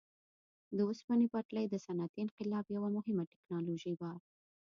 د اوسپنې پټلۍ د صنعتي انقلاب یوه مهمه ټکنالوژي وه.